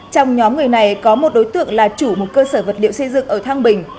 trong nhóm người này có một đối tượng là chủ một cơ sở vật liệu xây dựng ở thang bình